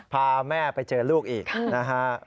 พาแม่ไปเจอลูกอีกนะฮะ